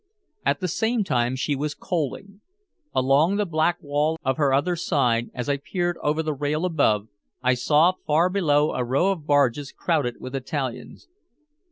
At the same time she was coaling. Along the black wall of her other side, as I peered over the rail above, I saw far below a row of barges crowded with Italians.